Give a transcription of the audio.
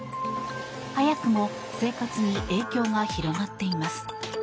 早くも生活に影響が広がっています。